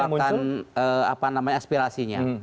memerluarkan apa namanya aspirasinya